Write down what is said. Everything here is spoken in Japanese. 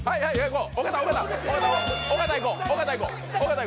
こう。